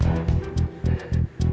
gak akan kecil